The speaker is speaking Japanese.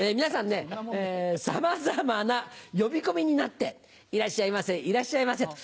皆さんさまざまな呼び込みになって「いらっしゃいませいらっしゃいませ。